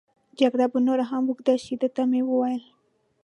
جګړه به نوره هم اوږد شي، ده ته مې وویل.